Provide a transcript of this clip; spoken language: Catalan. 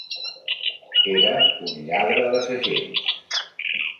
Era un lladre de segells.